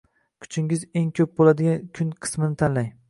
Kuchingiz eng ko’p bo’ladigan kun qismini tanlang.